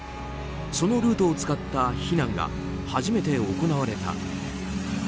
そのルートを使った避難が初めて行われた。